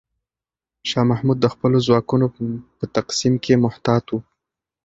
شاه محمود د خپلو ځواکونو په تقسیم کې محتاط و.